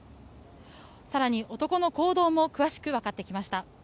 更に、男の行動も詳しくわかってきました。